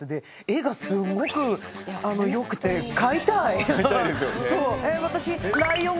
絵がすごく良くて買いたいですよね。